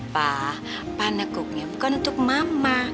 pa pancake nya bukan untuk mama